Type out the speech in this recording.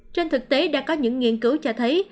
trên thực tế đã có những nghiên cứu cho thấy